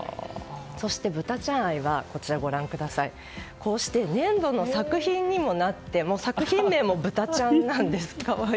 そして、ぶたちゃん愛はこうして、年度の作品にもなって作品名も「ぶたちゃん」なんです。